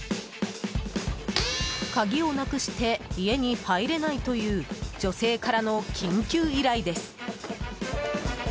鍵をなくして家に入れないという女性からの緊急依頼です。